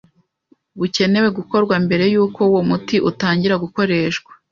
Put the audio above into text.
bucyenewe gukorwa mbere yuko uwo muti utangira gukoreshwa